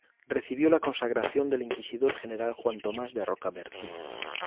Recibió la consagración del inquisidor general Juan Tomás de Rocabertí.